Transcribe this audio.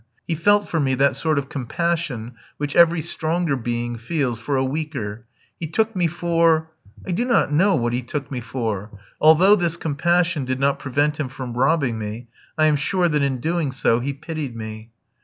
He felt for me that sort of compassion which every stronger being feels for a weaker; he took me for I do not know what he took me for. Although this compassion did not prevent him from robbing me, I am sure that in doing so he pitied me.